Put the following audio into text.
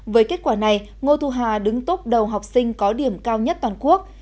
với kết quả này ngô thu hà đứng tốt đầu học sinh có điểm cao nhất toàn quốc